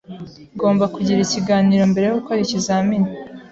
Ngomba kugira ikiganiro mbere yo gukora ikizamini.